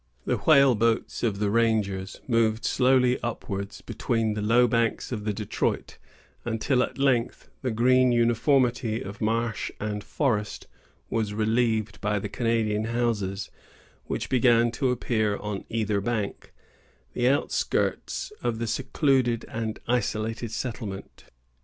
The whale boats of the rangers moved slowly upwards between the low banks of the Detroit, until at length the green uniformity of marsh and forest was relieved by the Canadian houses, which began to appear on either bank, the outskirts of the secluded and isolated settlement.